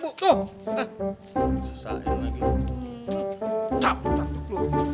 cak takut lo